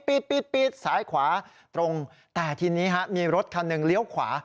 ปีดซ้ายขวาตรงแต่ทีนี้ฮะมีรถคันหนึ่งเลี้ยวขวา